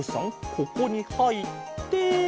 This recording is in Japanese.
ここにはいって。